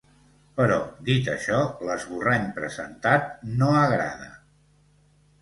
Però, dit això, l’esborrany presentat no agrada.